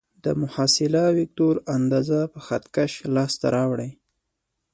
د محصله وکتور اندازه په خط کش لاس ته راوړئ.